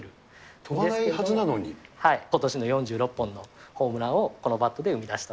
ことしの４６本のホームランを、このバットで生み出した。